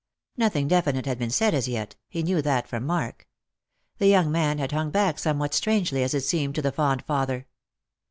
Nothing definite had been said as yet; he knew that from Mark. The young man had hung back some what strangely, as it seemed to the fond father.